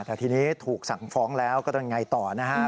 แต่ทีนี้ถูกสั่งฟ้องแล้วก็ยังไงต่อนะครับ